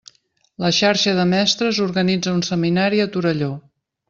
La xarxa de mestres organitza un seminari a Torelló.